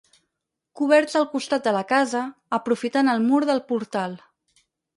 Coberts al costat de la casa, aprofitant el mur del portal.